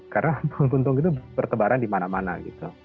karena puntung itu bertebaran di mana mana gitu